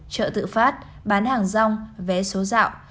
chợ tự phát bán hàng rong vé số dạo